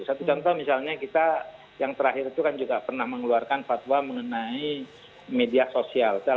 satu contoh misalnya kita yang terakhir itu kan juga pernah mengeluarkan fatwa mengenai media sosial